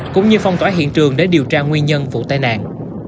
cũng như phong tỏa hiện trường để điều tra nguyên nhân vụ tai nạn